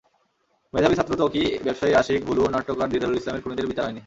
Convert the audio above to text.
মেধাবী ছাত্র ত্বকী, ব্যবসায়ী আশিক, ভুলু, নাট্যকার দিদারুল ইসলামের খুনিদের বিচার হয়নি।